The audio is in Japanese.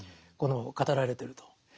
この語られてると。